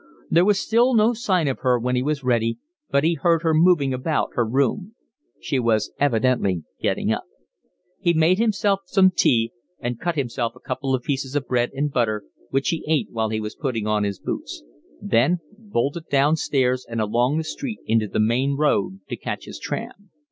There was still no sign of her when he was ready, but he heard her moving about her room. She was evidently getting up. He made himself some tea and cut himself a couple of pieces of bread and butter, which he ate while he was putting on his boots, then bolted downstairs and along the street into the main road to catch his tram.